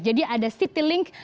jadi ada city link